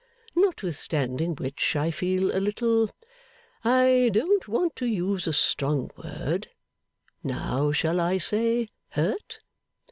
Notwithstanding which, I feel a little I don't want to use a strong word now shall I say hurt?